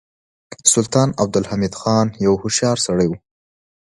سلطان عبدالحمید خان یو هوښیار سړی و.